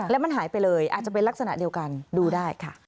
แล้วมันหายไปเลยอาจจะเป็นลักษณะเดียวกันดูได้ค่ะ